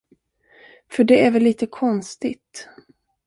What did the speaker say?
För det är väl lite konstigt?